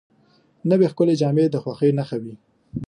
نوې ښکلې جامې د خوښۍ نښه وي